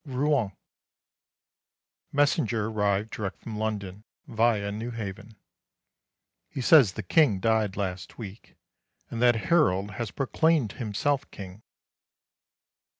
Rouen. Messenger arrived direct from London, via Newhaven. He says the King died last week, and that Harold has proclaimed himself King.